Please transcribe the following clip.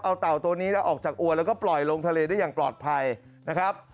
เอาเต่าตัวนี้แล้วออกจากอัวแล้วก็ปล่อยลงทะเลได้อย่างปลอดภัยนะครับ